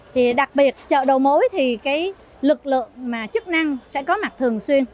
thì đặc biệt chợ đầu mối thì cái lực lượng mà chức năng sẽ có mặt thường xuyên